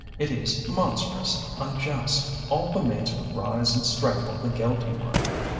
It is monstrous, unjust, all the mates would rise and strangle the guilty one!"